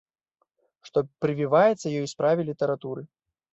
Што прывіваецца ёй у справе літаратуры?